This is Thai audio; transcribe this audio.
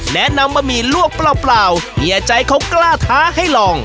แนะนำบะหมี่ลวกเปล่าเฮียใจเขากล้าท้าให้ลอง